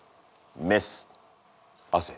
メス。汗」。